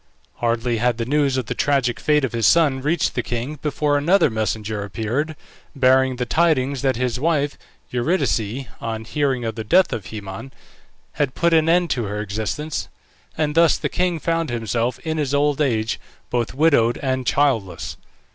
Hardly had the news of the tragic fate of his son reached the king, before another messenger appeared, bearing the tidings that his wife Eurydice, on hearing of the death of Haemon, had put an end to her existence, and thus the king found himself in his old age both widowed and childless.